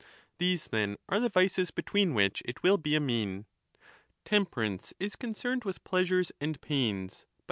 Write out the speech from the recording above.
These, then, are the vices between which it will be a mean. Temperance is concerned with pleasures and pains, but 25 30 =£'.